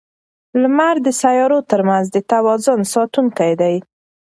لمر د سیارو ترمنځ د توازن ساتونکی دی.